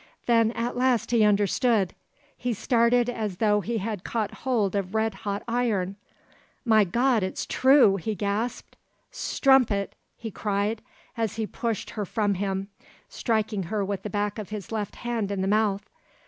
Then at last he understood; he started as though he had caught hold of red hot iron. "My God! it's true!" he gasped. "Strumpet!" he cried, as he pushed her from him, striking her with the back of his left hand in the mouth.